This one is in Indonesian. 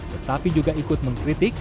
tetapi juga ikut mengkritik